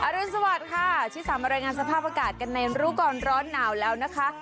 รุนสวัสดิ์ค่ะที่สามรายงานสภาพอากาศกันในรู้ก่อนร้อนหนาวแล้วนะคะ